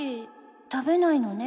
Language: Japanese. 食べないのね？